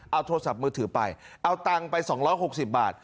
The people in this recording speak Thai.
เอาโทรศัพท์มือถือไปเอาตังค์ไปสองร้อยหกสิบบาท